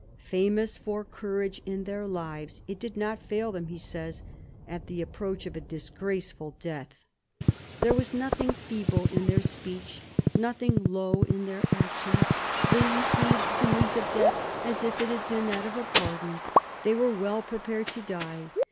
Famous for courage in their lives, it did not fail them, he says, at the approach of a disgraceful death. " There was nothing feeble in their speech, nothing low in their actions. They received the news of death as if it had been that of pardon. ... They were well prepared to die.